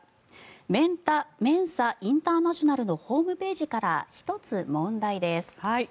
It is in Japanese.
メンサ・インターナショナルのホームページから１つ問題です。